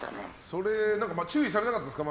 それ、注意されなかったですか